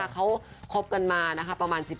เขาคบกันมาประมาณ๑๖ปี